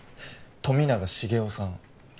富永繁雄さん